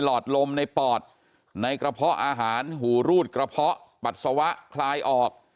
อดลมในปอดในกระเพาะอาหารหูรูดกระเพาะปัสสาวะคลายออก